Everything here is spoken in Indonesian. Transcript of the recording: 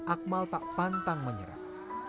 akmal tak pantang menyerah